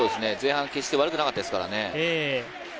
前半、決して悪くなかったですからね。